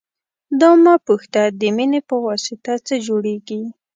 دا مه پوښته د مینې پواسطه څه جوړېږي.